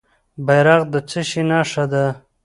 بیرغ د څه شي نښه ده؟